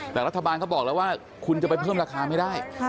แต่รัฐบาลเขาบอกแล้วว่าคุณจะไปเพิ่มราคาไม่ได้